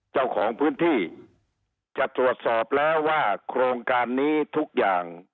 เจ้าของพื้นที่จะตรวจสอบแล้วว่าโครงการนี้ทุกอย่าง